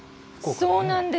そうなんです。